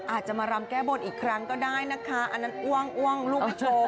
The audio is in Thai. อาจจะมารำแก้บนอีกครั้งก็ได้นะคะอันนั้นอ้วงอ้วงลูกไปโชว์